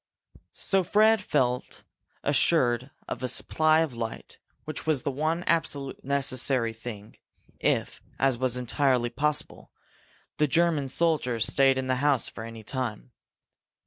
So Fred had felt assured of a supply of light, which was the one absolutely necessary thing if, as was entirely possible, the German soldiers stayed in the house for any time.